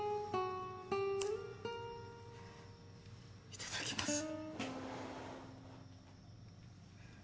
いただきます。